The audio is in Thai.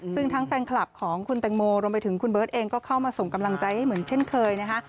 ซึ่งทั้งแฟนคลับของคุณแตงโมรวมไปถึงคุณเบิร์ตเองก็เข้ามาส่งกำลังใจให้เหมือนเช่นเคยนะคะ